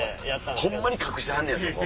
ホンマに隠してはんねやそこ。